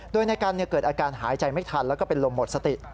โดยนายกันเกิดอาการหายใจไม่ทันแล้วก็เป็นลมหมดสติ